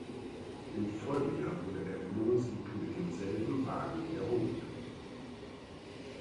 Im Folgejahr wurde der Le-Mans-Sieg mit demselben Wagen wiederholt.